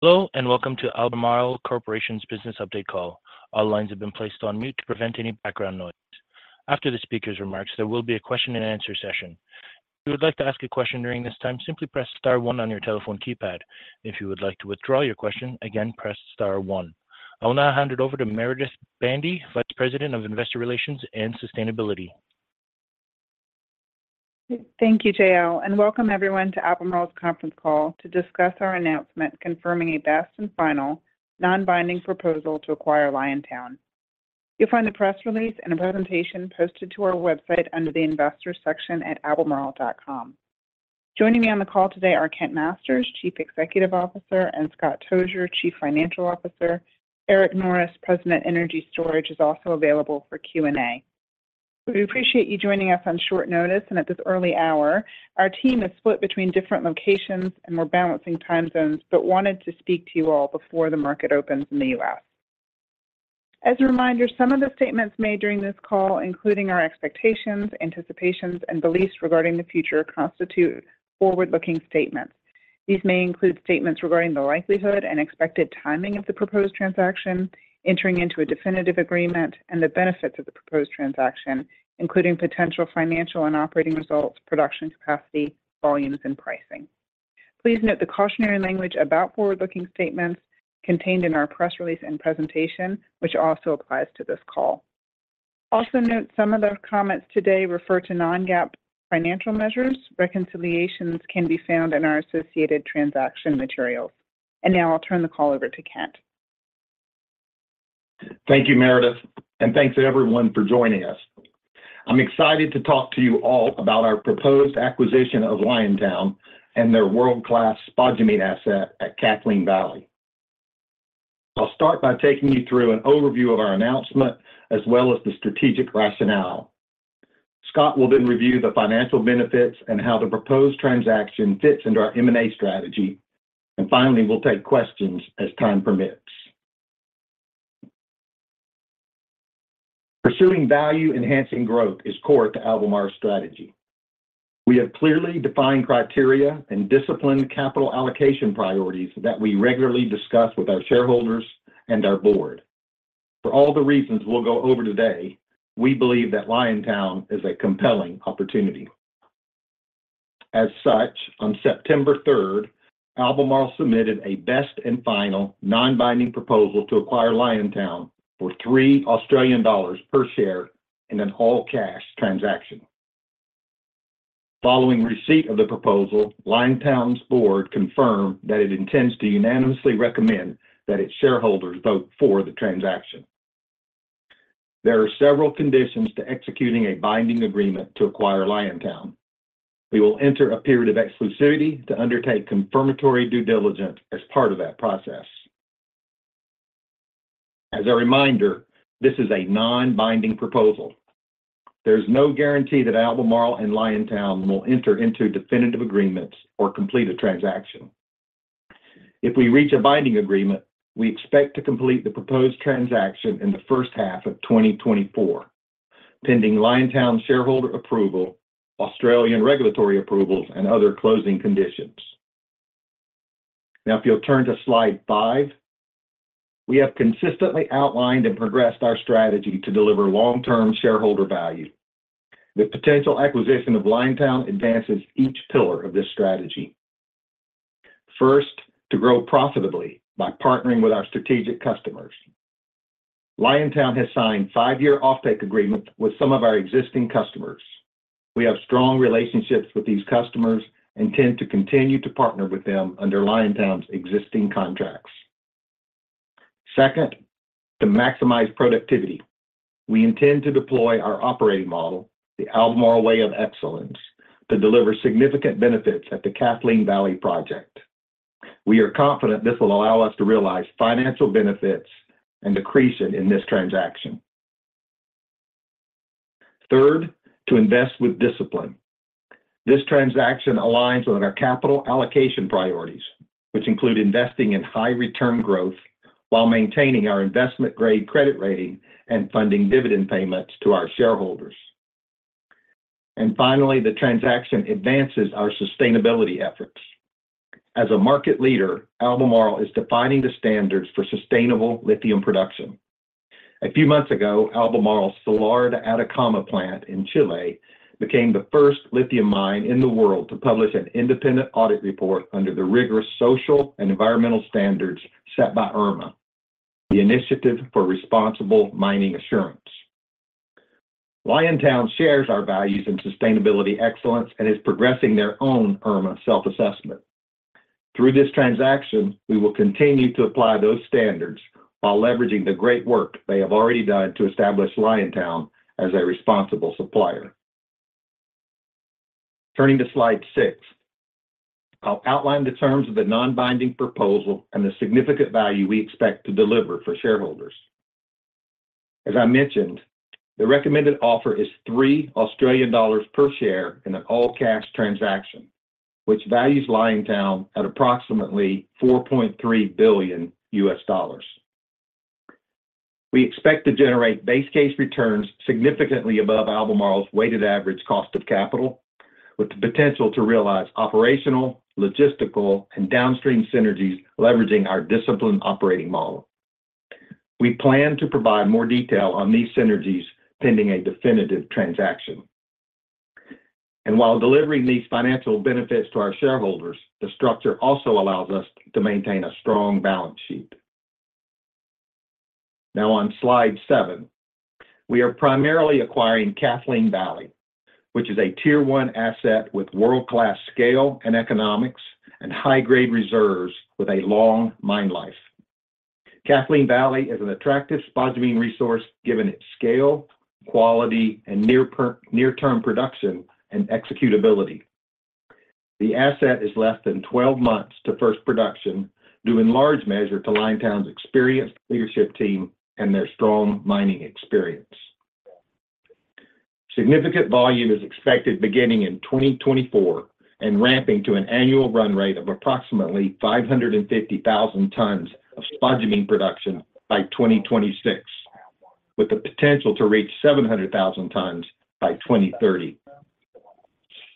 Hello, and welcome to Albemarle Corporation's business update call. All lines have been placed on mute to prevent any background noise. After the speaker's remarks, there will be a question-and-answer session. If you would like to ask a question during this time, simply press Star one on your telephone keypad. If you would like to withdraw your question, again, press Star one. I will now hand it over to Meredith Bandy, Vice President of Investor Relations and Sustainability. Thank you, JL, and welcome everyone to Albemarle's conference call to discuss our announcement confirming a best and final non-binding proposal to acquire Liontown. You'll find the press release and a presentation posted to our website under the investor section at albemarle.com. Joining me on the call today are Kent Masters, Chief Executive Officer, and Scott Tozier, Chief Financial Officer. Eric Norris, President, Energy Storage, is also available for Q&A. We appreciate you joining us on short notice and at this early hour. Our team is split between different locations, and we're balancing time zones, but wanted to speak to you all before the market opens in the U.S. As a reminder, some of the statements made during this call, including our expectations, anticipations, and beliefs regarding the future, constitute forward-looking statements. These may include statements regarding the likelihood and expected timing of the proposed transaction, entering into a definitive agreement, and the benefits of the proposed transaction, including potential financial and operating results, production capacity, volumes, and pricing. Please note the cautionary language about forward-looking statements contained in our press release and presentation, which also applies to this call. Also note, some of the comments today refer to non-GAAP financial measures. Reconciliations can be found in our associated transaction materials. Now I'll turn the call over to Kent. Thank you, Meredith, and thanks to everyone for joining us. I'm excited to talk to you all about our proposed acquisition of Liontown and their world-class spodumene asset at Kathleen Valley. I'll start by taking you through an overview of our announcement, as well as the strategic rationale. Scott will then review the financial benefits and how the proposed transaction fits into our M&A strategy. Finally, we'll take questions as time permits. Pursuing value-enhancing growth is core to Albemarle's strategy. We have clearly defined criteria and disciplined capital allocation priorities that we regularly discuss with our shareholders and our board. For all the reasons we'll go over today, we believe that Liontown is a compelling opportunity. As such, on September 3rd, Albemarle submitted a best-and-final non-binding proposal to acquire Liontown for 3 Australian dollars per share in an all-cash transaction. Following receipt of the proposal, Liontown's board confirmed that it intends to unanimously recommend that its shareholders vote for the transaction. There are several conditions to executing a binding agreement to acquire Liontown. We will enter a period of exclusivity to undertake confirmatory due diligence as part of that process. As a reminder, this is a non-binding proposal. There's no guarantee that Albemarle and Liontown will enter into definitive agreements or complete a transaction. If we reach a binding agreement, we expect to complete the proposed transaction in the first half of 2024, pending Liontown shareholder approval, Australian regulatory approvals, and other closing conditions. Now, if you'll turn to Slide 5, we have consistently outlined and progressed our strategy to deliver long-term shareholder value. The potential acquisition of Liontown advances each pillar of this strategy. First, to grow profitably by partnering with our strategic customers. Liontown has signed five-year offtake agreement with some of our existing customers. We have strong relationships with these customers and tend to continue to partner with them under Liontown's existing contracts. Second, to maximize productivity, we intend to deploy our operating model, the Albemarle Way of Excellence, to deliver significant benefits at the Kathleen Valley project. We are confident this will allow us to realize financial benefits and accretion in this transaction. Third, to invest with discipline. This transaction aligns with our capital allocation priorities, which include investing in high return growth while maintaining our investment-grade credit rating and funding dividend payments to our shareholders. And finally, the transaction advances our sustainability efforts. As a market leader, Albemarle is defining the standards for sustainable lithium production. A few months ago, Albemarle's Salar de Atacama plant in Chile became the first lithium mine in the world to publish an independent audit report under the rigorous social and environmental standards set by IRMA, the Initiative for Responsible Mining Assurance. Liontown shares our values and sustainability excellence and is progressing their own IRMA self-assessment. Through this transaction, we will continue to apply those standards while leveraging the great work they have already done to establish Liontown as a responsible supplier. Turning to Slide 6, I'll outline the terms of the non-binding proposal and the significant value we expect to deliver for shareholders. As I mentioned, the recommended offer is 3 Australian dollars per share in an all-cash transaction, which values Liontown at approximately $4.3 billion.... We expect to generate base case returns significantly above Albemarle's weighted average cost of capital, with the potential to realize operational, logistical, and downstream synergies, leveraging our disciplined operating model. We plan to provide more detail on these synergies pending a definitive transaction. And while delivering these financial benefits to our shareholders, the structure also allows us to maintain a strong balance sheet. Now, on Slide 7, we are primarily acquiring Kathleen Valley, which is a Tier 1 asset with world-class scale and economics and high-grade reserves with a long mine life. Kathleen Valley is an attractive spodumene resource, given its scale, quality, and near-term production and executability. The asset is less than 12 months to first production, due in large measure to Liontown's experienced leadership team and their strong mining experience. Significant volume is expected beginning in 2024 and ramping to an annual run rate of approximately 550,000 tons of spodumene production by 2026, with the potential to reach 700,000 tons by 2030.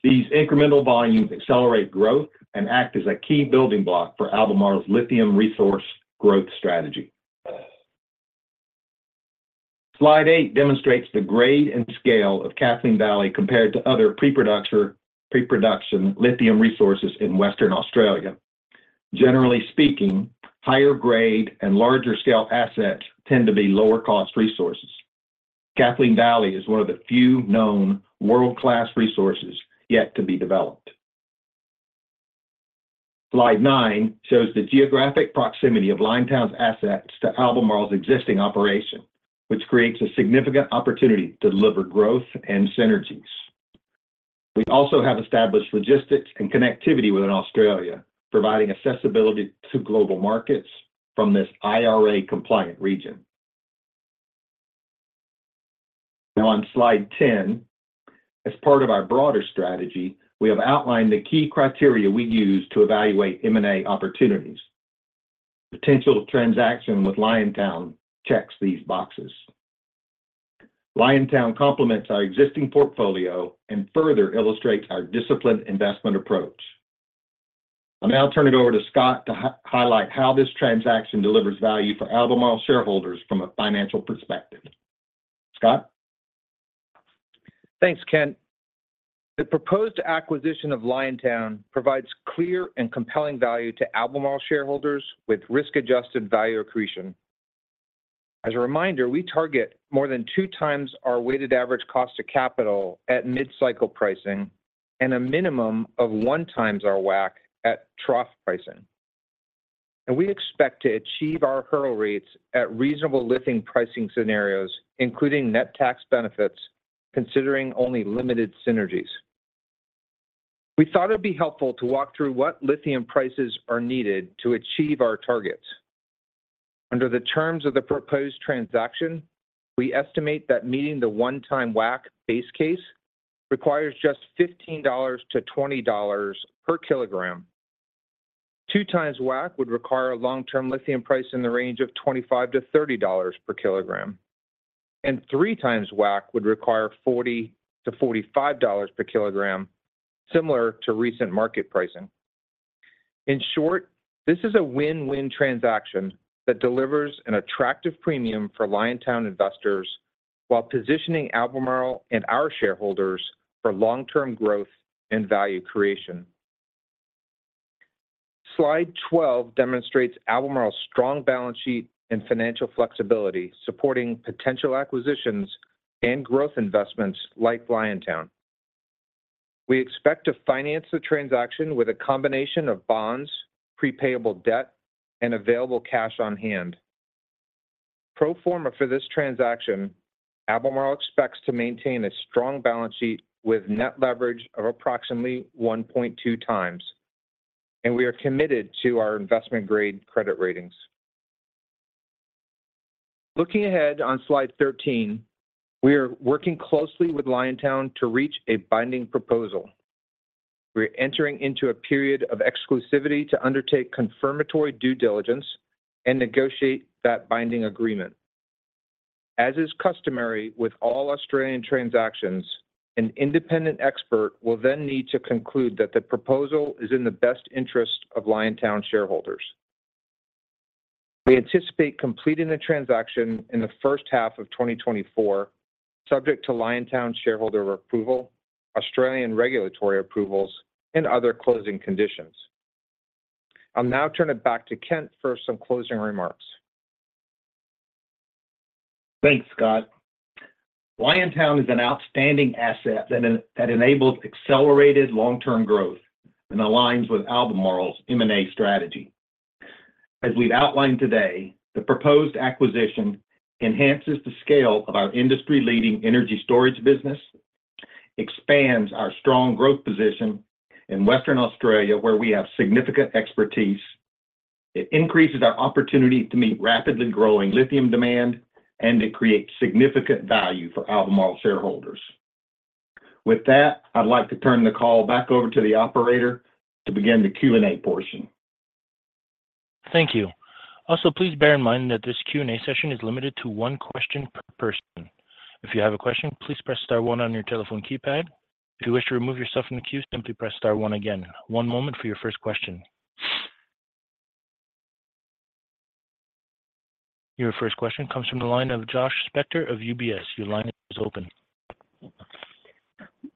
These incremental volumes accelerate growth and act as a key building block for Albemarle's lithium resource growth strategy. Slide 8 demonstrates the grade and scale of Kathleen Valley compared to other pre-production lithium resources in Western Australia. Generally speaking, higher grade and larger scale assets tend to be lower cost resources. Kathleen Valley is one of the few known world-class resources yet to be developed. Slide 9 shows the geographic proximity of Liontown's assets to Albemarle's existing operation, which creates a significant opportunity to deliver growth and synergies. We also have established logistics and connectivity within Australia, providing accessibility to global markets from this IRA-compliant region. Now, on Slide 10, as part of our broader strategy, we have outlined the key criteria we use to evaluate M&A opportunities. Potential transaction with Liontown checks these boxes. Liontown complements our existing portfolio and further illustrates our disciplined investment approach. I'll now turn it over to Scott to highlight how this transaction delivers value for Albemarle shareholders from a financial perspective. Scott? Thanks, Kent. The proposed acquisition of Liontown provides clear and compelling value to Albemarle shareholders with risk-adjusted value accretion. As a reminder, we target more than 2x our weighted average cost of capital at mid-cycle pricing and a minimum of 1x our WACC at trough pricing. We expect to achieve our hurdle rates at reasonable lithium pricing scenarios, including net tax benefits, considering only limited synergies. We thought it'd be helpful to walk through what lithium prices are needed to achieve our targets. Under the terms of the proposed transaction, we estimate that meeting the 1x WACC base case requires just $15-$20 per kilogram. 2x WACC would require a long-term lithium price in the range of $25-$30 per kilogram, and 3x WACC would require $40-$45 per kilogram, similar to recent market pricing. In short, this is a win-win transaction that delivers an attractive premium for Liontown investors while positioning Albemarle and our shareholders for long-term growth and value creation. Slide 12 demonstrates Albemarle's strong balance sheet and financial flexibility, supporting potential acquisitions and growth investments like Liontown. We expect to finance the transaction with a combination of bonds, prepaid debt, and available cash on hand. Pro forma for this transaction, Albemarle expects to maintain a strong balance sheet with net leverage of approximately 1.2x, and we are committed to our investment-grade credit ratings. Looking ahead on Slide 13, we are working closely with Liontown to reach a binding proposal. We're entering into a period of exclusivity to undertake confirmatory due diligence and negotiate that binding agreement. As is customary with all Australian transactions, an independent expert will then need to conclude that the proposal is in the best interest of Liontown shareholders. We anticipate completing the transaction in the first half of 2024, subject to Liontown shareholder approval, Australian regulatory approvals, and other closing conditions. I'll now turn it back to Kent for some closing remarks. Thanks, Scott. Liontown is an outstanding asset that enables accelerated long-term growth and aligns with Albemarle's M&A strategy. As we've outlined today, the proposed acquisition enhances the scale of our industry-leading energy storage business, expands our strong growth position in Western Australia, where we have significant expertise. It increases our opportunity to meet rapidly growing lithium demand, and it creates significant value for Albemarle shareholders. With that, I'd like to turn the call back over to the operator to begin the Q&A portion. Thank you. Also, please bear in mind that this Q&A session is limited to one question per person. If you have a question, please press Star one on your telephone keypad. If you wish to remove yourself from the queue, simply press Star one again. One moment for your first question. Your first question comes from the line of Josh Spector of UBS. Your line is open.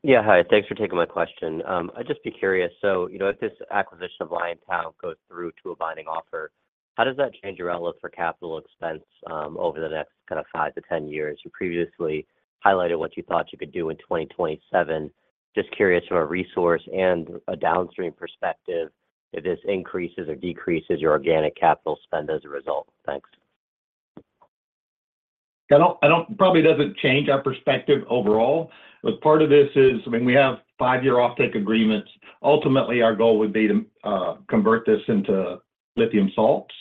Yeah, hi. Thanks for taking my question. I'd just be curious, so, you know, if this acquisition of Liontown goes through to a binding offer, how does that change your outlook for capital expense, over the next kind of 5-10 years? You previously highlighted what you thought you could do in 2027. Just curious from a resource and a downstream perspective, if this increases or decreases your organic capital spend as a result. Thanks. I don't. Probably doesn't change our perspective overall, but part of this is, I mean, we have five-year offtake agreements. Ultimately, our goal would be to convert this into lithium salts,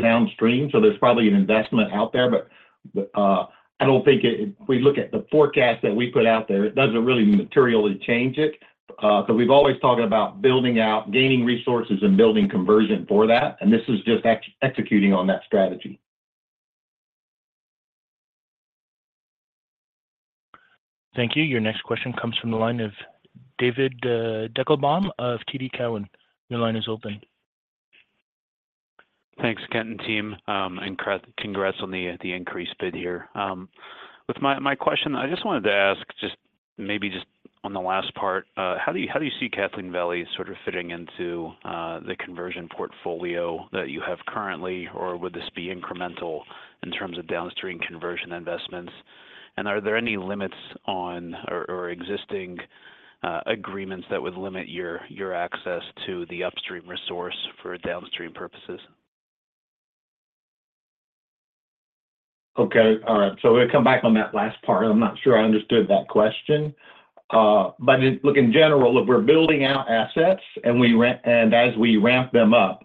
downstream. So there's probably an investment out there, but I don't think it. If we look at the forecast that we put out there, it doesn't really materially change it. So we've always talked about building out, gaining resources, and building conversion for that, and this is just executing on that strategy. Thank you. Your next question comes from the line of David Deckelbaum of TD Cowen. Your line is open. Thanks, Kent and team, and congrats on the increased bid here. With my question, I just wanted to ask, just maybe just on the last part, how do you see Kathleen Valley sort of fitting into the conversion portfolio that you have currently, or would this be incremental in terms of downstream conversion investments? And are there any limits on or existing agreements that would limit your access to the upstream resource for downstream purposes? Okay. All right. So we'll come back on that last part. I'm not sure I understood that question. But, look, in general, if we're building out assets, and we ramp and as we ramp them up,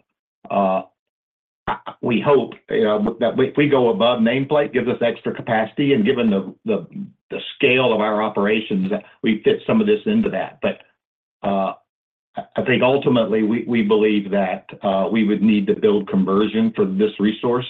we hope, you know, that if we go above nameplate, gives us extra capacity, and given the scale of our operations, that we fit some of this into that. But, I think ultimately, we believe that we would need to build conversion for this resource,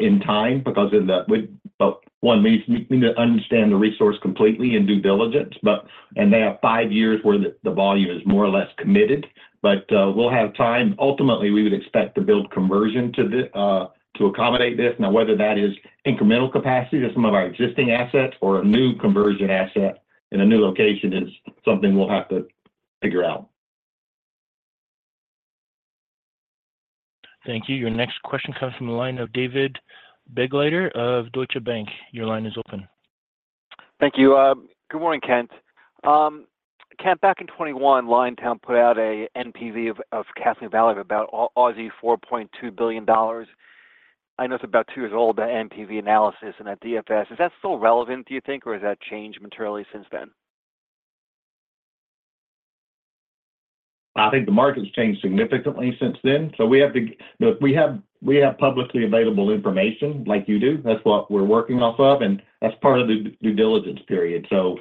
in time, because of the with. But one, we need to understand the resource completely and due diligence, but-- and they have five years where the volume is more or less committed, but, we'll have time. Ultimately, we would expect to build conversion to the, to accommodate this. Now, whether that is incremental capacity to some of our existing assets or a new conversion asset in a new location is something we'll have to figure out. Thank you. Your next question comes from the line of David Begleiter of Deutsche Bank. Your line is open. Thank you. Good morning, Kent. Kent, back in 2021, Liontown put out a NPV of Kathleen Valley of about 4.2 billion Aussie dollars. I know it's about two years old, that NPV analysis and that DFS. Is that still relevant, do you think, or has that changed materially since then? I think the market's changed significantly since then, so we have to look, we have publicly available information like you do. That's what we're working off of, and that's part of the due diligence period. So,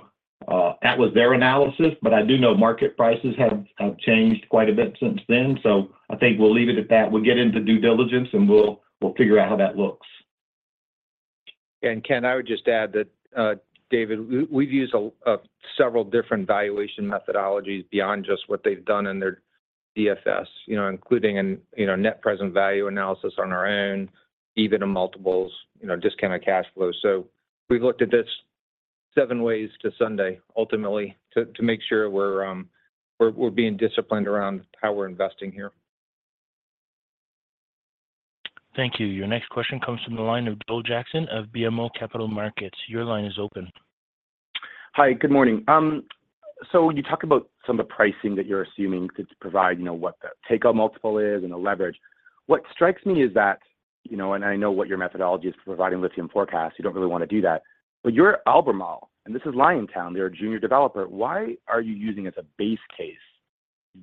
that was their analysis, but I do know market prices have changed quite a bit since then. So I think we'll leave it at that. We'll get into due diligence, and we'll figure out how that looks. Kent, I would just add that, David, we've used several different valuation methodologies beyond just what they've done in their DFS. You know, including a net present value analysis on our own, even multiples, you know, discounted cash flow. So we've looked at this seven ways to Sunday, ultimately, to make sure we're being disciplined around how we're investing here. Thank you. Your next question comes from the line of Joel Jackson of BMO Capital Markets. Your line is open. Hi, good morning. So when you talk about some of the pricing that you're assuming to provide, you know, what the take-out multiple is and the leverage, what strikes me is that, you know, and I know what your methodology is for providing lithium forecasts. You don't really want to do that. But you're Albemarle, and this is Liontown. They're a junior developer. Why are you using as a base case,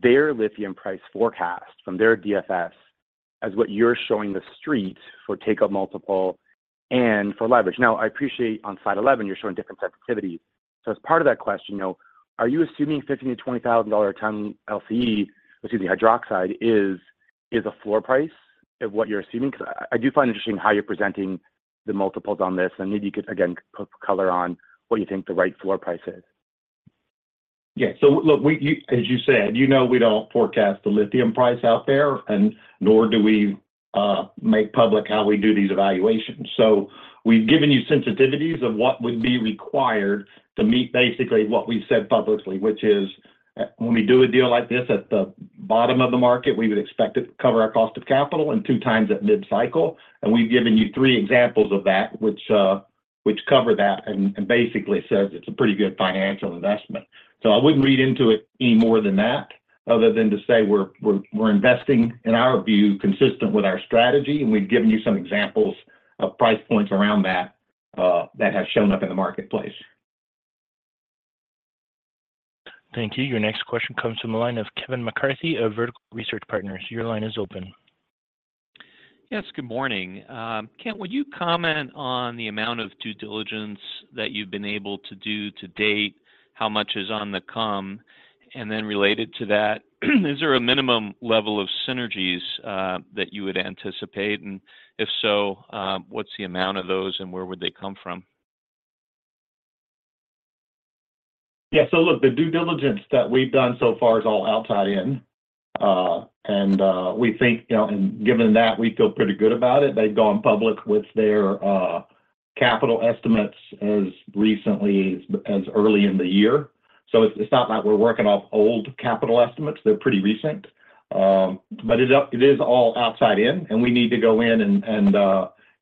their lithium price forecast from their DFS as what you're showing the street for take-out multiple and for leverage? Now, I appreciate on Slide 11, you're showing different sensitivities. So as part of that question, you know, are you assuming 15,000-20,000 dollar a ton LCE, excuse me, hydroxide, is, is a floor price of what you're assuming? Because I do find interesting how you're presenting the multiples on this, and maybe you could again put color on what you think the right floor price is. Yeah. So look, we, you as you said, you know we don't forecast the lithium price out there, and nor do we make public how we do these evaluations. So we've given you sensitivities of what would be required to meet basically what we've said publicly, which is, when we do a deal like this at the bottom of the market, we would expect it to cover our cost of capital and 2x at mid-cycle. And we've given you three examples of that, which cover that and basically says it's a pretty good financial investment. So I wouldn't read into it any more than that, other than to say we're investing, in our view, consistent with our strategy, and we've given you some examples of price points around that that have shown up in the marketplace. Thank you. Your next question comes from the line of Kevin McCarthy of Vertical Research Partners. Your line is open. Yes, good morning. Kent, would you comment on the amount of due diligence that you've been able to do to date? How much is on the come? And then related to that, is there a minimum level of synergies that you would anticipate? And if so, what's the amount of those, and where would they come from? Yeah. So look, the due diligence that we've done so far is all outside in. And we think, you know, and given that, we feel pretty good about it. They've gone public with their capital estimates as recently as early in the year. So it's not like we're working off old capital estimates. They're pretty recent. But it is all outside in, and we need to go in and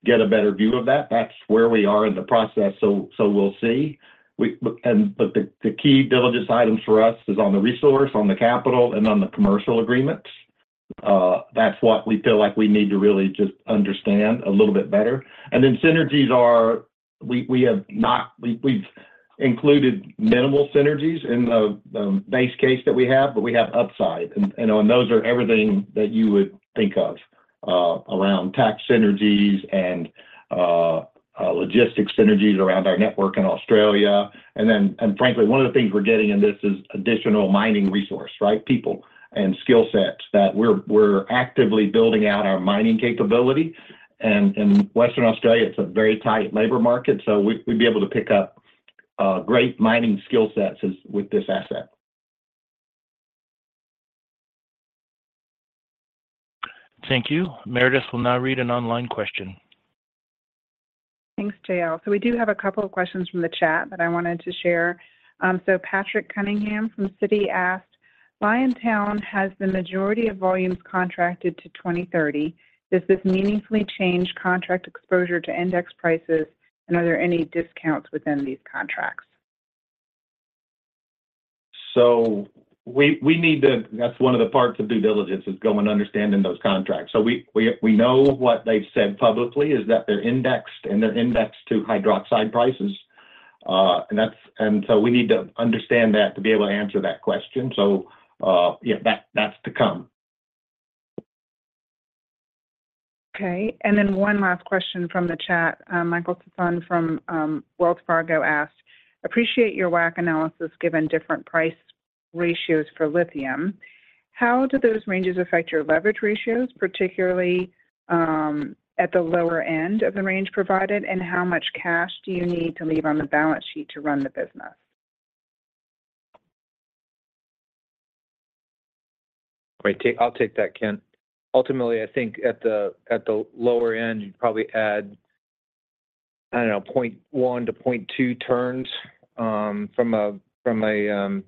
get a better view of that. That's where we are in the process, so we'll see. But the key diligence items for us is on the resource, on the capital, and on the commercial agreements. That's what we feel like we need to really just understand a little bit better. Then synergies are we've included minimal synergies in the base case that we have, but we have upside. Those are everything that you would think of around tax synergies and logistics synergies around our network in Australia. And frankly, one of the things we're getting in this is additional mining resource, right? People and skill sets that we're actively building out our mining capability. And in Western Australia, it's a very tight labor market, so we'd be able to pick up great mining skill sets as with this asset. Thank you. Meredith will now read an online question. Thanks, JL. So we do have a couple of questions from the chat that I wanted to share. So Patrick Cunningham from Citi asked: Liontown has the majority of volumes contracted to 2030. Does this meaningfully change contract exposure to index prices, and are there any discounts within these contracts? So we need to. That's one of the parts of due diligence, is going and understanding those contracts. So we know what they've said publicly, is that they're indexed, and they're indexed to hydroxide prices. And that's and so we need to understand that to be able to answer that question. So, yeah, that, that's to come. Okay, and then one last question from the chat. Michael Sison from Wells Fargo asked: Appreciate your WACC analysis, given different price ratios for lithium. How do those ranges affect your leverage ratios, particularly at the lower end of the range provided, and how much cash do you need to leave on the balance sheet to run the business? I'll take that, Kent. Ultimately, I think at the lower end, you'd probably add, I don't know, 0.1-0.2 turns from a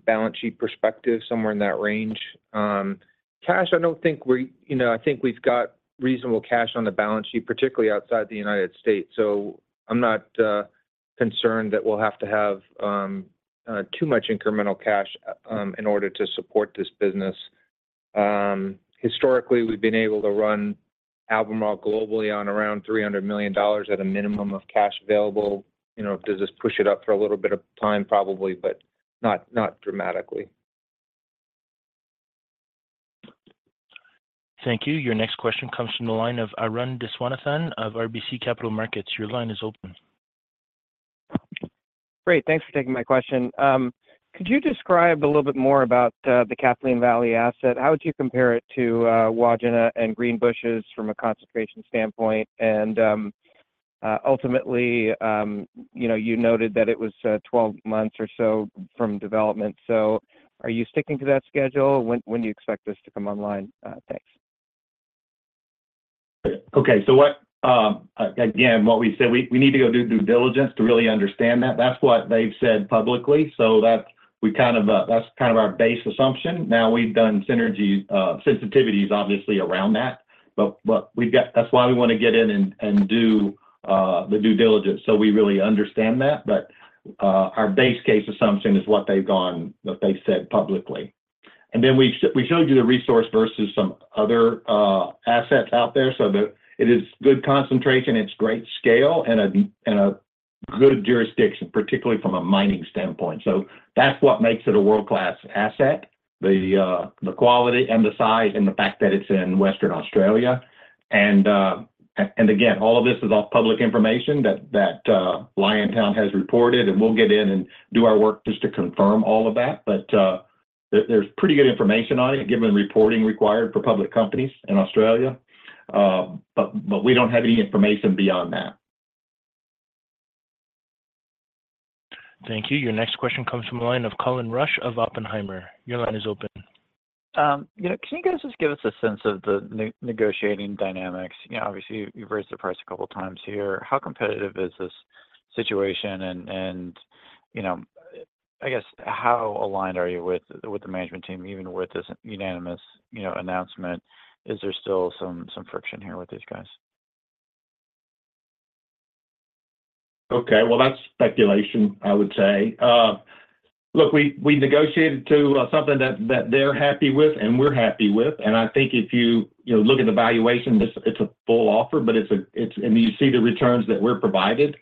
balance sheet perspective, somewhere in that range. Cash, I don't think we. You know, I think we've got reasonable cash on the balance sheet, particularly outside the United States. So I'm not concerned that we'll have to have too much incremental cash in order to support this business. Historically, we've been able to run Albemarle gobally on around 300 million dollars at a minimum of cash available. You know, does this push it up for a little bit of time? Probably, but not dramatically. Thank you. Your next question comes from the line of Arun Viswanathan of RBC Capital Markets. Your line is open. Great. Thanks for taking my question. Could you describe a little bit more about the Kathleen Valley asset? How would you compare it to Wodgina and Greenbushes from a concentration standpoint? And ultimately, you know, you noted that it was 12 months or so from development. So are you sticking to that schedule? When do you expect this to come online? Thanks. Okay. So what again, what we said, we, we need to go do due diligence to really understand that. That's what they've said publicly, so that's-- we kind of, that's kind of our base assumption. Now, we've done synergy sensitivities obviously around that, but, but we've got-- That's why we want to get in and, and do the due diligence, so we really understand that. But, our base case assumption is what they've gone, what they've said publicly. And then we sh- we showed you the resource versus some other assets out there. So the-- it is good concentration, it's great scale, and a and a good jurisdiction, particularly from a mining standpoint. So that's what makes it a world-class asset: the, the quality and the size, and the fact that it's in Western Australia. Again, all of this is all public information that Liontown has reported, and we'll get in and do our work just to confirm all of that. But there's pretty good information on it, given the reporting required for public companies in Australia. But we don't have any information beyond that. Thank you. Your next question comes from the line of Colin Rush of Oppenheimer. Your line is open. You know, can you guys just give us a sense of the negotiating dynamics? You know, obviously, you've raised the price a couple of times here. How competitive is this situation? And, you know, I guess, how aligned are you with the management team? Even with this unanimous, you know, announcement, is there still some friction here with these guys? Okay. Well, that's speculation, I would say. Look, we negotiated to something that they're happy with and we're happy with. And I think if you, you know, look at the valuation, this is a full offer, but it's and you see the returns that are provided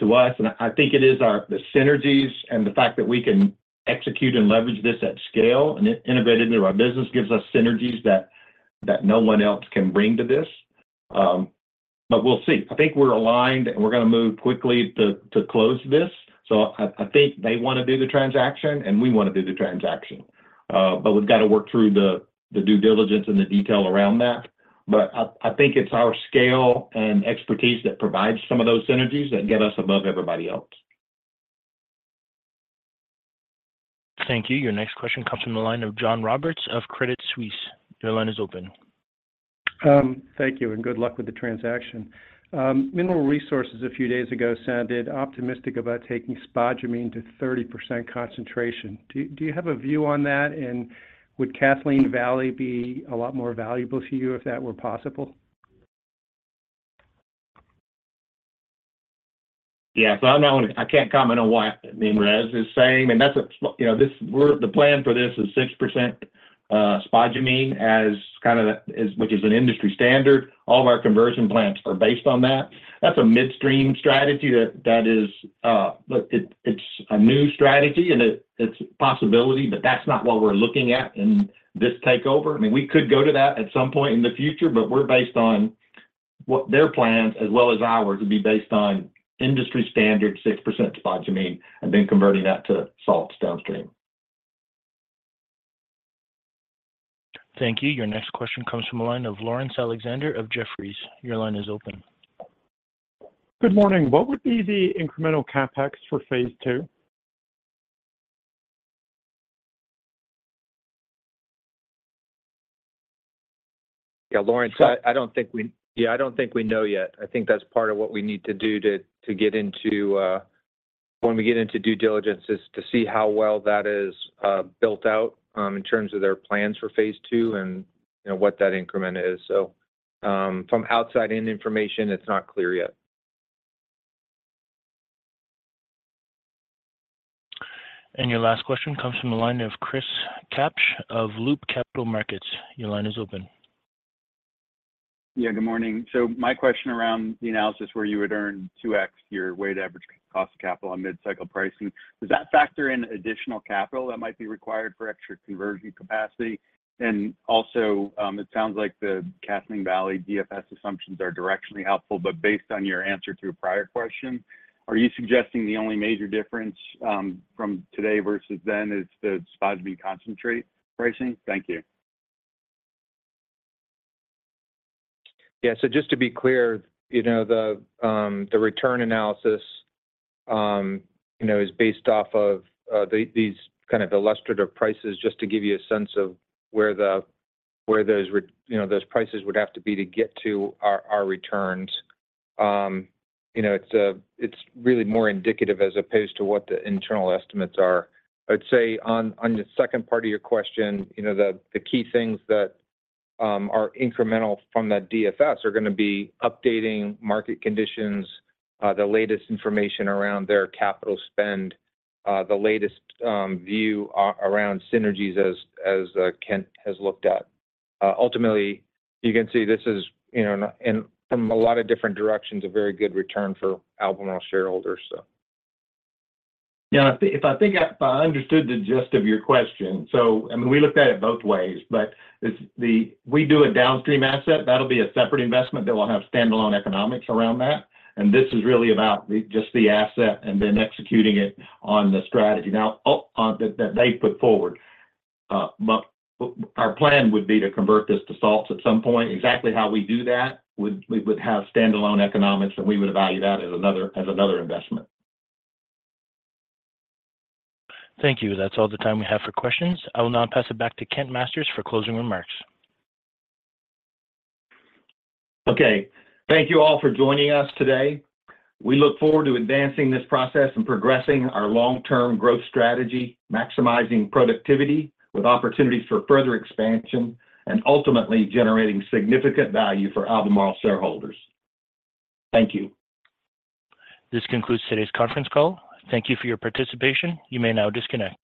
to us. And I think it is the synergies and the fact that we can execute and leverage this at scale, and innovate into our business gives us synergies that no one else can bring to this. But we'll see. I think we're aligned, and we're gonna move quickly to close this. So I think they wanna do the transaction, and we wanna do the transaction. But we've got to work through the due diligence and the detail around that. But I think it's our scale and expertise that provides some of those synergies that get us above everybody else. Thank you. Your next question comes from the line of John Roberts of Credit Suisse. Your line is open. Thank you, and good luck with the transaction. Mineral Resources a few days ago sounded optimistic about taking spodumene to 30% concentration. Do you have a view on that? And would Kathleen Valley be a lot more valuable to you if that were possible? Yeah. So I can't comment on what MinRes is saying. And that's, you know, the plan for this is 6% spodumene, as kind of a, as, which is an industry standard. All of our conversion plants are based on that. That's a midstream strategy that is, but it's a new strategy, and it's a possibility, but that's not what we're looking at in this takeover. I mean, we could go to that at some point in the future, but we're based on what their plans, as well as ours, would be based on industry standard, 6% spodumene, and then converting that to salts downstream. Thank you. Your next question comes from the line of Laurence Alexander of Jefferies. Your line is open. Good morning. What would be the incremental CapEx for phase two? Yeah, Laurence, I don't think we know yet. I think that's part of what we need to do to get into when we get into due diligence, is to see how well that is built out in terms of their plans for phase two and, you know, what that increment is. So, from outside any information, it's not clear yet. Your last question comes from the line of Chris Kapsch of Loop Capital Markets. Your line is open. Yeah, good morning. So my question around the analysis where you would earn 2x your weighted average cost of capital on mid-cycle pricing, does that factor in additional capital that might be required for extra conversion capacity? And also, it sounds like the Kathleen Valley DFS assumptions are directionally helpful, but based on your answer to a prior question, are you suggesting the only major difference from today versus then is the spodumene concentrate pricing? Thank you. Yeah. So just to be clear, you know, the return analysis, you know, is based off of these kind of illustrative prices, just to give you a sense of where the, where those, you know, those prices would have to be to get to our, our returns. You know, it's really more indicative as opposed to what the internal estimates are. I'd say on the second part of your question, you know, the key things that are incremental from that DFS are gonna be updating market conditions, the latest information around their capital spend, the latest view around synergies as Kent has looked at. Ultimately, you can see this is, you know, and from a lot of different directions, a very good return for Albemarle shareholders, so. Yeah, if I think, if I understood the gist of your question, so, I mean, we looked at it both ways, but it's if we do a downstream asset, that'll be a separate investment that will have standalone economics around that. And this is really about just the asset and then executing it on the strategy now that they put forward. But our plan would be to convert this to salts at some point. Exactly how we do that, we would have standalone economics, and we would value that as another investment. Thank you. That's all the time we have for questions. I will now pass it back to Kent Masters for closing remarks. Okay. Thank you all for joining us today. We look forward to advancing this process and progressing our long-term growth strategy, maximizing productivity with opportunities for further expansion, and ultimately generating significant value for Albemarle shareholders. Thank you. This concludes today's conference call. Thank you for your participation. You may now disconnect.